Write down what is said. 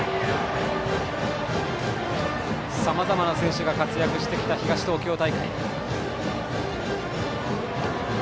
さまざまな選手が活躍してきた東東京大会。